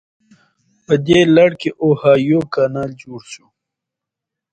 په دې لړ کې اوهایو کانال جوړ شو.